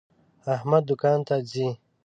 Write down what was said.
احمد دوکان ته ځي.